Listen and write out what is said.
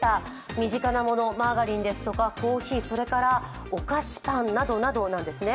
身近なもの、マーガリンですとかコーヒーそれからお菓子、パンなどなどなんですね。